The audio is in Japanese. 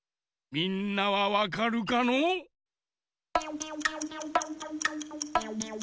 みんなはわかるかのう？